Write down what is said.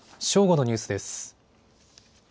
正午のニュースです。